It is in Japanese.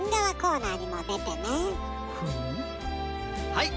はい！